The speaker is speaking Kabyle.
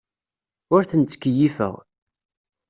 Ur ten-ttkeyyifeɣ.